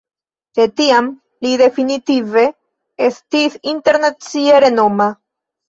De tiam li definitive estis internacie renoma.